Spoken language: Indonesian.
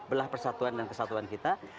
belah persatuan dan kesatuan kita